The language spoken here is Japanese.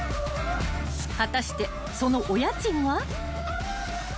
［果たしてそのお家賃は？］